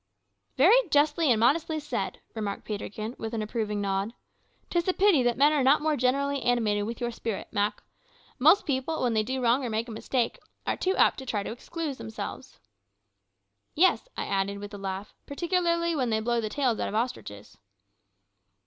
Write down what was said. "Very justly and modestly said," remarked Peterkin, with an approving nod. "'Tis a pity that men are not more generally animated with your spirit, Mak. Most people, when they do wrong or make a mistake, are too apt to try to excuse themselves." "Yes," I added, with a laugh; "particularly when they blow the tails out of ostriches."